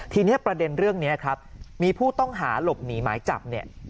ทีนี้ประเด็นเรื่องนี้ครับมีผู้ต้องหาหลบหนีหมายจับเนี่ย